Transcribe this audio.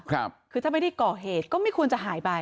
คือถ้าไม่ได้ก่อเหตุก็ไม่ควรจะหายไป